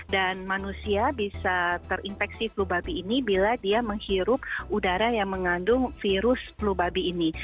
dan manusia bisa terinfeksi flu babi ini bila dia menghirup udara yang mengandung virus flu babi ini